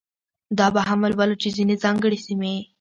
دا به هم ولولو چې ځینې ځانګړې سیمې.